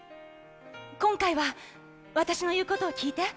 今回は私の言うことを聞いて。